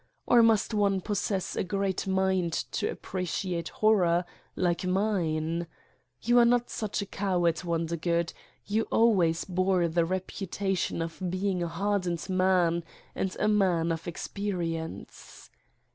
Or must one possess a great mind to appreciate horror, like Mine! You are not such a coward, Wondergood, You always bore the reputation of being a hardened man and a man of experience